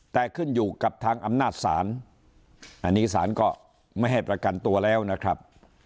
แต่ขึ้นอยู่กับทางอำนาจศาลอันนี้ศาลก็ไม่ให้ประกันตัวแล้วนะครับ